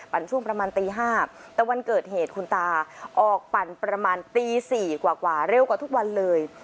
ช่วงประมาณตี๕แต่วันเกิดเหตุคุณตาออกปั่นประมาณตี๔กว่าเร็วกว่าทุกวันเลย